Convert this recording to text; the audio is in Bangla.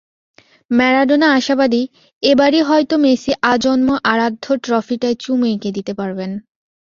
ম্যারাডোনা আশাবাদী, এবারই হয়তো মেসি আজন্ম আরাধ্য ট্রফিটায় চুমু এঁকে দিতে পারবেন।